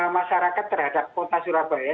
masyarakat terhadap kota surabaya